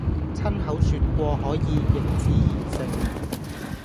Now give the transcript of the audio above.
親口説過可以「易子而食」；